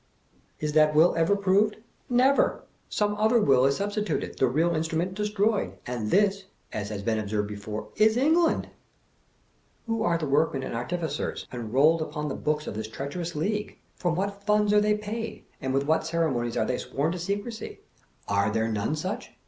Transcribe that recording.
Is that will ever proved? Never! Some other will is substituted; the real iustrument, de stroyed. And this (as has been before observed) is Eng land! Who are the workmen and artificers, enrolled upon the book of this treacherous league? From what funds are they paid, and with what ceremonies are they sworn to se crecy? Are there none such?